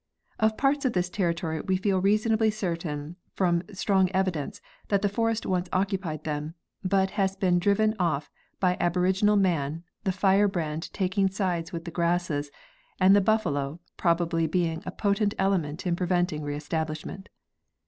Of parts of this territory we feel reasonably certain from strong evidences that the forest once occupied them, but has been driven off by aboriginal man, the firebrand taking sides with the grasses and the buffalo probably being a potent element in preventing reestablishment.